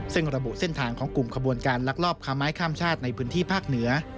ซึ่งระบุเส้นทางของกลุ่มขบวนการลักลอบค้าไม้ข้ามชาติในพื้นที่ภาคเหนือ